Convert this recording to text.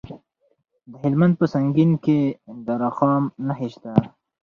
د هلمند په سنګین کې د رخام نښې شته.